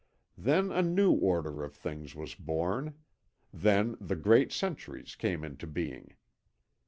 Then a new order of things was born, then the great centuries came into being.